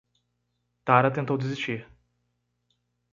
Tara tentou desistir.